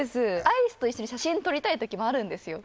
アイスと一緒に写真撮りたいときもあるんですよ